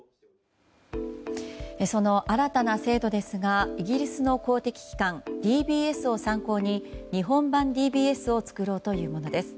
その新たな制度ですがイギリスの公的機関ＤＢＳを参考に、日本版ＤＢＳを作ろうというものです。